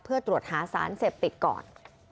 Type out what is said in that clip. เพื่อตรวจหาสารเสพติดก่อน